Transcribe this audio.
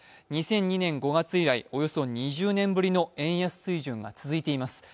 ２００２年５月以来、およそ２０年の円安水準が続いています。